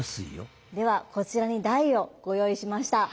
ではこちらに台をご用意しました。